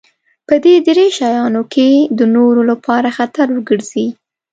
په دې درې شيانو کې د نورو لپاره خطر وګرځي.